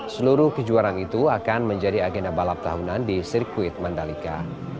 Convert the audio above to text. seluruh kejuaraan itu akan menjadi agenda balap tahunan di sirkuit mandalika